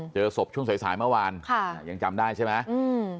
เจอศพช่วงสายสายเมื่อวานค่ะยังจำได้ใช่ไหมอืม